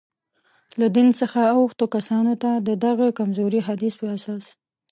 له دین څخه اوښتو کسانو ته، د دغه کمزوري حدیث په اساس.